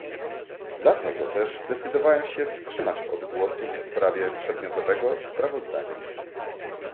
Dlatego też zdecydowałem się wstrzymać od głosu w sprawie przedmiotowego sprawozdania